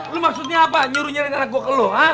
lu maksudnya apa nyuruh nyari anak gua ke lu